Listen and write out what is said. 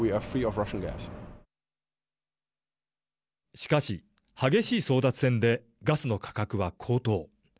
しかし、激しい争奪戦でガスの価格は高騰。